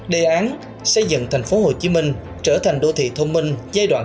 đề án xây dựng thành phố hồ chí minh trở thành đô thị thông minh giai đoạn hai nghìn một mươi bảy hai nghìn hai mươi